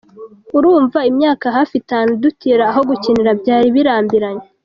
Urumva imyaka hafi itanu dutira aho gukinira byari birambiranye.